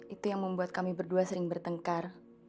itu yang membuat kami berdua sering bertengkar